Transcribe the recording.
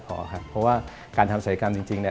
เพราะว่าการทำศักยกรรมจริง